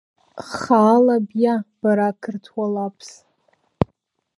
Хаала биа бара ақырҭуа лаԥс!